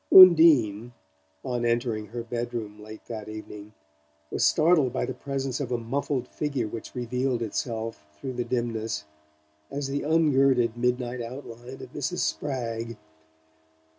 Undine, on entering her bedroom late that evening, was startled by the presence of a muffled figure which revealed itself, through the dimness, as the ungirded midnight outline of Mrs. Spragg.